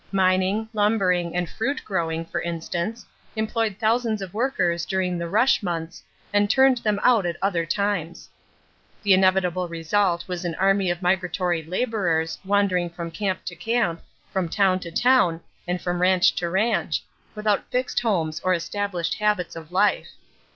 Mining, lumbering, and fruit growing, for instance, employed thousands of workers during the rush months and turned them out at other times. The inevitable result was an army of migratory laborers wandering from camp to camp, from town to town, and from ranch to ranch, without fixed homes or established habits of life.